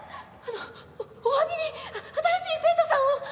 あのお詫びに新しい生徒さんを。